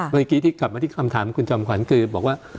เมื่อกี้ที่กลับมาที่คำถามคุณจอมขวัญคือบอกว่า